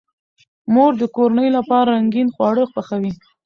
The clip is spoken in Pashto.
مور د کورنۍ لپاره رنګین خواړه پخوي.